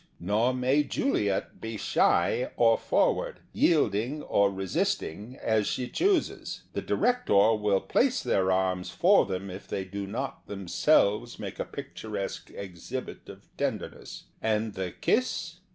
]STor may Juliet be shy or forward, yielding or resisting, as she chooses. The director will place their arms for them if they do not themselves 158 The Theatre and Its People make a picturesque exhibit of tender ness. And the kiss